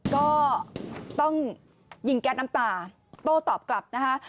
ก็ต้องยิงแก๊สน้ำตาโต้ตอบกลับนะคะ